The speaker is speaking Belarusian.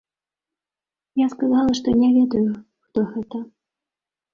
Я сказала, што не ведаю, хто гэта.